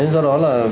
do đó là